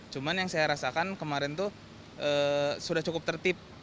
cuma yang saya rasakan kemarin itu sudah cukup tertib